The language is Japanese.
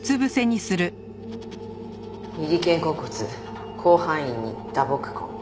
右肩甲骨広範囲に打撲痕。